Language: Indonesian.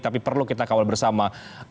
tapi perlu kita kawal bersama